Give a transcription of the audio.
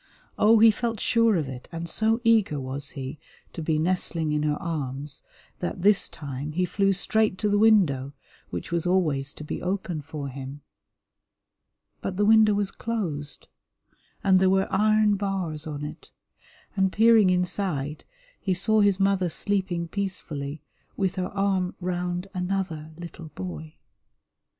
Oh, he felt sure of it, and so eager was he to be nestling in her arms that this time he flew straight to the window, which was always to be open for him. But the window was closed, and there were iron bars on it, and peering inside he saw his mother sleeping peacefully with her arm round another little boy.